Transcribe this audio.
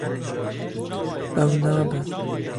Ew nabe.